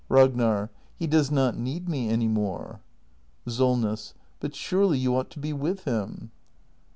Ragnab. He does not need me any more. SOLNESS. But surely you ought to be with him.